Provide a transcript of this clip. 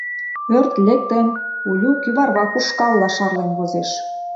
Ӧрт лектын, Улю кӱварвак ушкалла шарлен возеш...